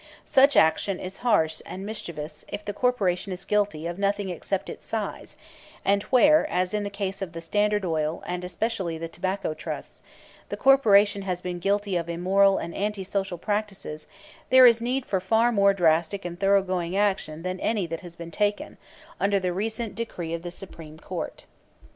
Such action is harsh and mischievous if the corporation is guilty of nothing except its size; and where, as in the case of the Standard Oil, and especially the Tobacco, trusts, the corporation has been guilty of immoral and anti social practices, there is need for far more drastic and thoroughgoing action than any that has been taken, under the recent decree of the Supreme Court.